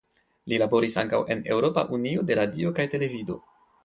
Li laboris ankaŭ en Eŭropa Unio de Radio kaj Televido.